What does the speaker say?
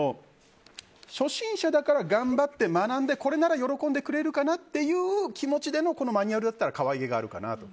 初心者だから頑張って学んで、これなら喜んでくれるかなっていう気持ちでのマニュアルなら可愛げがあるかなと。